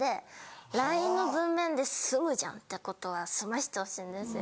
ＬＩＮＥの文面で済むじゃんってことは済ましてほしいんですよ。